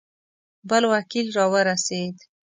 بل وکیل را ورسېد.